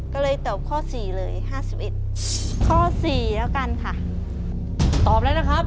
ก็เลยตอบข้อสี่เลยห้าสิบเอ็ดข้อสี่แล้วกันค่ะตอบแล้วนะครับ